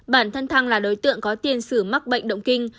bản thân thăng là đối tượng có tiên xử mắc bệnh động kinh